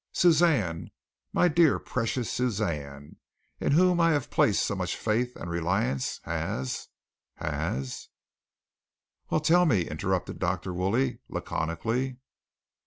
Suzanne, my dear precious Suzanne, in whom I have placed so much faith and reliance has, has " "Well, tell me," interrupted Dr. Woolley laconically.